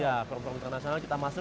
ya forum forum internasional kita masuk